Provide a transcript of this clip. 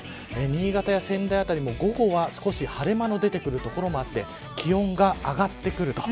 新潟や仙台辺りも、午後は少し晴れ間の出てくる所もあって気温が上がってくると。